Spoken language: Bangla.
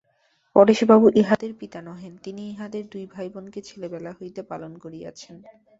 পরেশবাবু ইহাদের পিতা নহেন– তিনি ইহাদের দুই ভাইবোনকে ছেলেবেলা হইতে পালন করিয়াছেন।